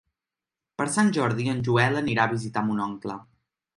Per Sant Jordi en Joel anirà a visitar mon oncle.